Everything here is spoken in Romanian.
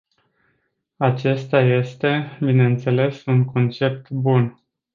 Acesta este, bineînțeles, un concept bun.